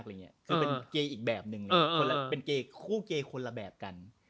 คือเป็นเกย์อีกแบบหนึ่งเลยเป็นเกย์คู่เกย์คนละแบบกัน